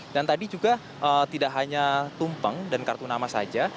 dan tadi juga tidak hanya tumpeng dan kartu nama saja